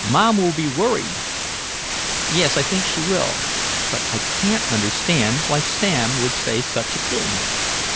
Mom will be worried." "Yes, I think she will. But I can't understand why Sam should say such a thing.